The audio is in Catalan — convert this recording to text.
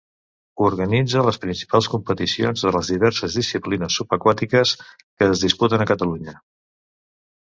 Organitza les principals competicions de les diverses disciplines subaquàtiques que es disputen a Catalunya.